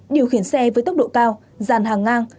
điều khiển xe với tốc độ cao dàn hàng ngang